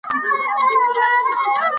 هغه په لوړ غږ په موبایل کې خبرې کولې.